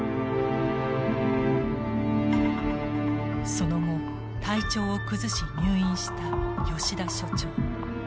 その後体調を崩し入院した吉田所長。